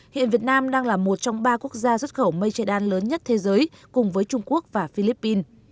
hiện việt nam đang là một trong ba quốc gia xuất khẩu mây che đan lớn nhất thế giới cùng với trung quốc và philippines